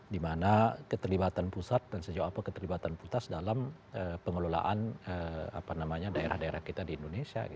di mana keterlibatan pusat dan sejauh apa keterlibatan putas dalam pengelolaan daerah daerah kita di indonesia